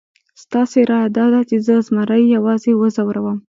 ستاسې رایه داده چې زه زمري یوازې وځوروم؟